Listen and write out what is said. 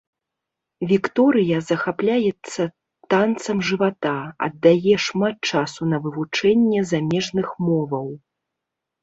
Вікторыя захапляецца танцам жывата, аддае шмат часу на вывучэнне замежных моваў.